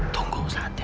tunggu saatnya ibu